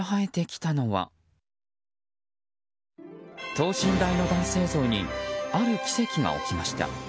等身大の男性像にある奇跡が起きました。